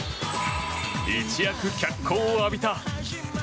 一躍、脚光を浴びた。